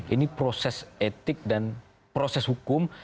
ini proses etik dan proses hukum